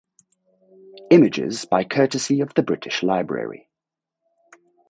Images by courtesy of the British Library